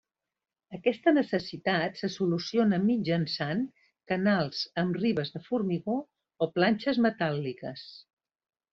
Aquesta necessitat se soluciona mitjançant canals amb ribes de formigó o planxes metàl·liques.